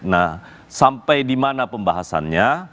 nah sampai di mana pembahasannya